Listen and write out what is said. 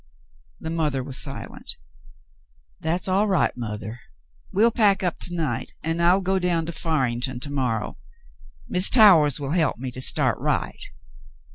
^^" The mother was silent. "That's all right, mothah. We'll pack up to night, and I'll go down to Farington to morrow. Mrs. Towahs will help me to start right."